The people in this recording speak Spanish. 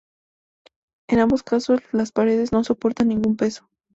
En ambos casos las paredes no soportan ningún peso.